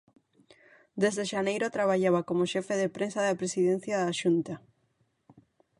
Desde xaneiro traballaba como xefe de prensa da Presidencia da Xunta.